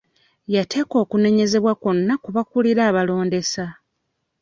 Yateeka okunenyezebwa kwonna ku bakulira abalondesa.